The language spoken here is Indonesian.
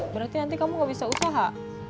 berarti nanti kamu gak bisa usaha